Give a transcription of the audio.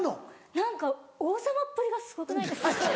何か王様っぷりがすごくないですか？